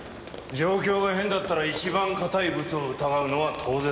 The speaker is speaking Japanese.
状況が変だったら一番固いブツを疑うのは当然だ。